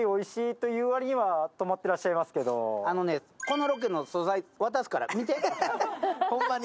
このロケの素材渡すから、見て、ホンマに。